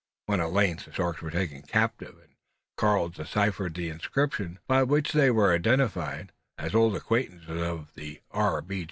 When at length the storks were taken captive, and Karl deciphered the inscription by which they were identified as old acquaintances of the R.